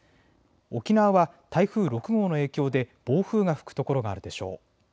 沖縄は台風６号の影響で暴風が吹く所があるでしょう。